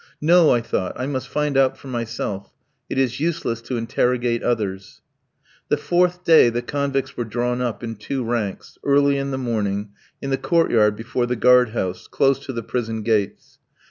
No, I thought, I must find out for myself; it is useless to interrogate others. The fourth day, the convicts were drawn up in two ranks, early in the morning, in the court yard before the guard house, close to the prison gates.